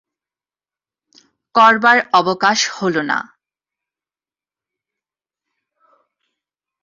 করবার অবকাশ হল না।